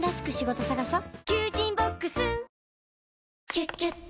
「キュキュット」